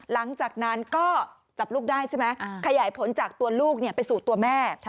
หลังจากนั้นก็จับลูกได้ใช่ไหมขยายผลจากตัวลูกไปสู่ตัวแม่